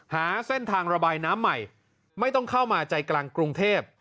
หาเส้นทางระบายน้ำใหม่ไม่ต้องเข้ามาใจกลางกรุงเทพ